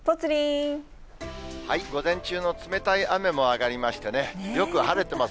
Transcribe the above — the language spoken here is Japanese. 午前中の冷たい雨も上がりましてね、よく晴れてます。